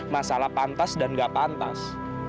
masalah pantas dan gak pantas